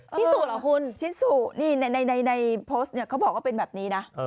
ชิซุเหรอคุณชิซุในโพสต์เขาบอกว่าเป็นแบบนี้นะ